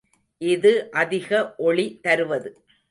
இது அதிக ஒளி தருவது.